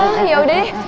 ya udah deh